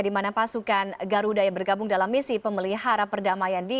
dimana pasukan garuda yang bergabung dalam misi pemelihara perdamaian di